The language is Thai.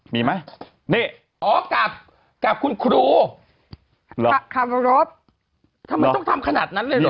มีไหมนี่อ๋อกลับกับคุณครูขับรถทำไมต้องทำขนาดนั้นเลยเหรอ